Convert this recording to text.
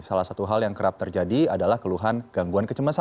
salah satu hal yang kerap terjadi adalah keluhan gangguan kecemasan